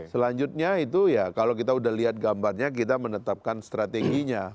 selanjutnya itu ya kalau kita udah lihat gambarnya kita menetapkan strateginya